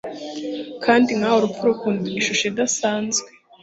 kandi nkawe urupfu rukunda ishusho idasanzwe